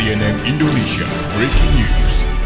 jangan lupa like share dan subscribe ya